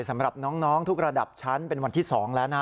สำหรับน้องทุกระดับชั้นเป็นวันที่๒แล้วนะฮะ